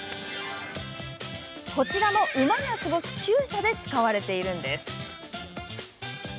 こちらの馬が過ごすきゅう舎で使われているんです。